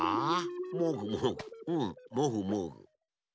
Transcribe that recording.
もぐもぐうんもぐもぐ。